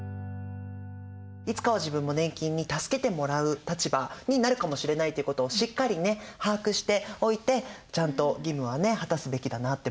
いつかは自分も年金に助けてもらう立場になるかもしれないっていうことをしっかりね把握しておいてちゃんと義務はね果たすべきだなって